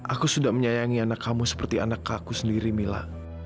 aku sudah menyayangi anak kamu seperti anak kakku sendiri mila